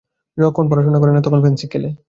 যখন পড়াশুনা করে না, তখন ফেন্সিং খেলে।